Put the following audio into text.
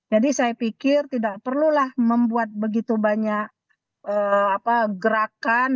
jadi saya pikir tidak perlulah membuat begitu banyak gerakan